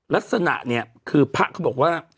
ลักษณะเนี่ยคือพระเขาบอกว่า